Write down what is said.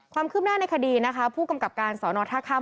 ความคลุมร่างในคดีนะคะผู้กำกับการสรท่าข้าม